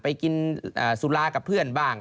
ไปกินสุรากับเพื่อนบ้าง